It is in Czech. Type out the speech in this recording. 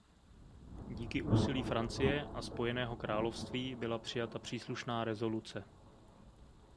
Díky úsilí Francie a Spojeného království byla přijata příslušná rezoluce.